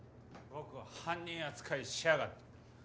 僕を犯人扱いしやがって！